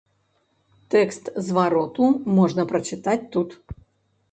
Тэкст звароту можна прачытаць тут.